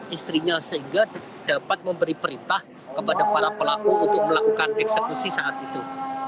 istrinya sehingga dapat memberi perintah kepada para pelaku untuk melakukan eksekusi saat itu